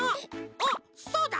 おっそうだ！